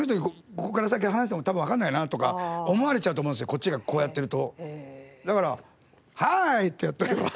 こっちがこうやってると。